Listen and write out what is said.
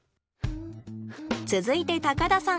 続いて田さん。